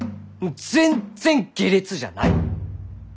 全然下劣じゃない！